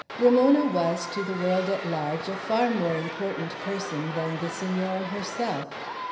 Ramona was, to the world at large, a far more important person than the Senora herself.